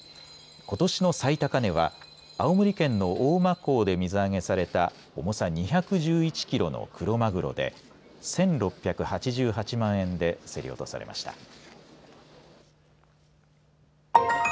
ことしの最高値は青森県の大間港で水揚げされた重さ２１１キロのクロマグロで１６８８万円で競り落とされました。